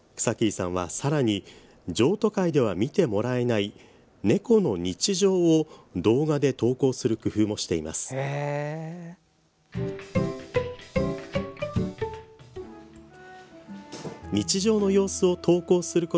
草切さんは、さらに譲渡会では見てもらえない猫の日常を動画で投稿する工夫もしています。